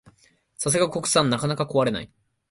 さすが国産、なかなか壊れない